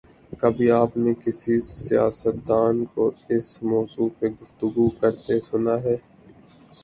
کبھی آپ نے کسی سیاستدان کو اس موضوع پہ گفتگو کرتے سنا ہے؟